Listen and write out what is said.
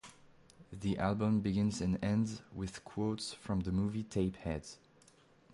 The album begins and ends with quotes from the movie Tapeheads.